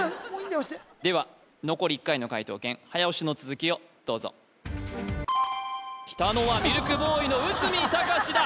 押してでは残り１回の解答権早押しの続きをどうぞきたのはミルクボーイの内海崇だ